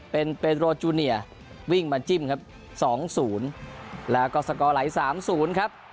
เป็นเปโรจูเนียวิ่งมาจิ้มครับ๒๐แล้วก็สกอร์ไหล๓๐ครับ